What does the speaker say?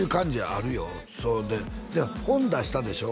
あるよそうで本出したでしょ？